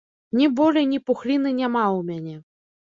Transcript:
Ні болі, ні пухліны няма ў мяне.